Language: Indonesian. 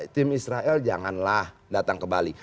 tim israel janganlah datang ke bali